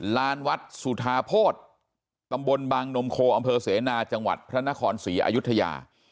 ลานวัดสุธาโภษตำบลบางนมโคอำเภอเสนาจังหวัดพระนครศรีอายุทยา